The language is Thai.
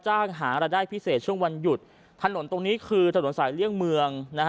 หารายได้พิเศษช่วงวันหยุดถนนตรงนี้คือถนนสายเลี่ยงเมืองนะฮะ